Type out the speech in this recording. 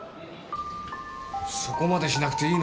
そこまでしなくていいのに。